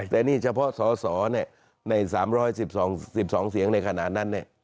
แต่นี่เฉพาะสสใน๓๑๒๑๒เสียงในขณะนั้น